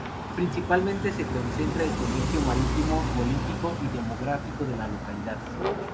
Principalmente se concentra el comercio marítimo, político y demográfico de la localidad.